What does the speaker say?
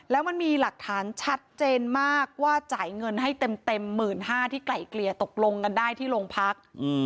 แล้วมันมีหลักฐานชัดเจนมากว่าจ่ายเงินให้เต็ม๑๕๐๐ที่ไกล่เกลี่ยตกลงกันได้ที่โรงพัก